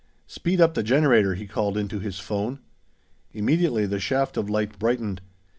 "Speed up the generator," he called into his phone. Immediately the shaft of light brightened.